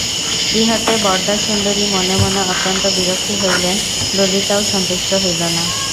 ইহাতে বরদাসুন্দরী মনে মনে অত্যন্ত বিরক্ত হইলেন, ললিতাও সন্তুষ্ট হইল না।